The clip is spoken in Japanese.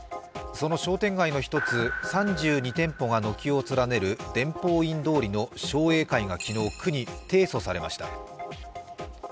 その商店街の一つ、３２店舗が軒を連ねる伝法院通りの商栄会が昨日、区に提訴されました。